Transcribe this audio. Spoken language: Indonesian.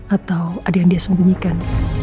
atau ada yang dia sembunyikan